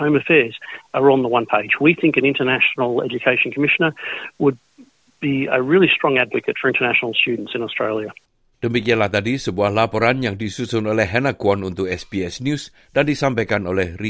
berita terkini mengenai penyedia pendidikan